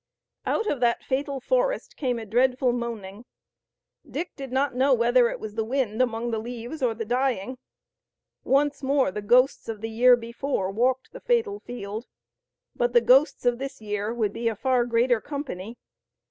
Out of that fatal forest came a dreadful moaning. Dick did not know whether it was the wind among the leaves or the dying. Once more the ghosts of the year before walked the fatal field, but the ghosts of this year would be a far greater company.